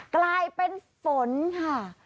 กลายเป็นฝนค่ะ